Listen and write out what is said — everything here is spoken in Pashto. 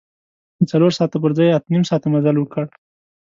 د څلور ساعته پر ځای اته نیم ساعته مزل وکړ.